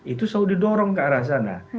itu selalu didorong ke arah sana